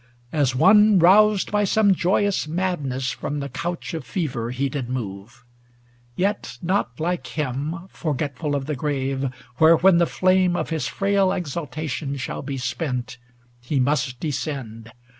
As one Roused by some joyous madness from the couch Of fever, he did move ; yet not like him Forgetful of the grave, where, when the flame 520 Of his frail exultation shall be spent. He must descend.